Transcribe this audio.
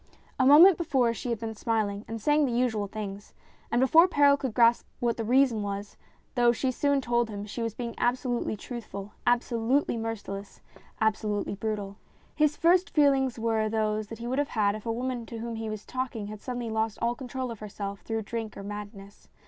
A moment before she had been smiling, and saying the usual things. And before Perral could grasp MINIATURES 233 what the reason was though she soon told him she was being absolutely truthful, absolutely merciless, absolutely brutal. His first feelings were those that he would have had if a woman to whom he was talking had suddenly lost all control of herself through drink or madness.